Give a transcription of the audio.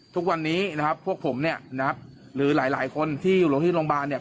ทุกวันนี้นะครับพวกผมเนี่ยนะครับหรือหลายหลายคนที่โรงพยาบาลเนี่ย